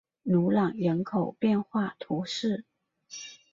努朗人口变化图示